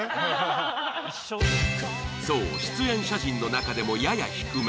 そう出演者陣の中でもやや低め。